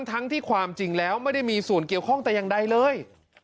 ทั้งที่ความจริงแล้วไม่ได้มีส่วนเกี่ยวข้องแต่อย่างใดเลย